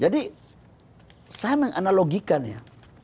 jadi saya menganalogikan ya